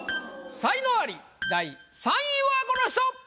才能アリ第３位はこの人！